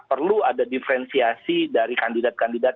perlu ada diferensiasi dari kandidat kandidat